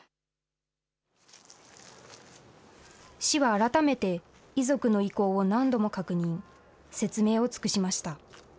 市は改めて、遺族の意向を何度も確認、説明を尽くしました。